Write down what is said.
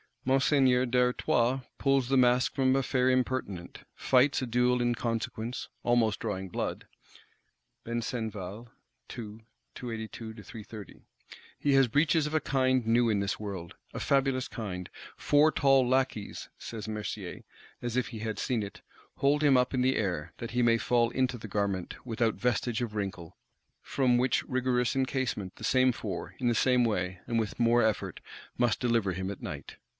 Monseigneur d'Artois pulls the mask from a fair impertinent; fights a duel in consequence,—almost drawing blood. He has breeches of a kind new in this world;—a fabulous kind; "four tall lackeys," says Mercier, as if he had seen it, "hold him up in the air, that he may fall into the garment without vestige of wrinkle; from which rigorous encasement the same four, in the same way, and with more effort, must deliver him at night."